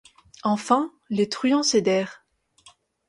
Enfin les truands cédèrent.